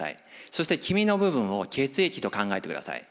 そして黄身の部分を血液と考えてください。